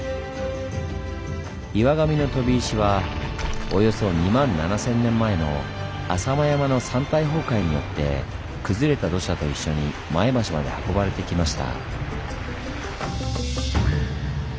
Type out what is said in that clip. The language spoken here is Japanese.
岩神の飛石はおよそ２万７，０００年前の浅間山の山体崩壊によって崩れた土砂と一緒に前橋まで運ばれてきました。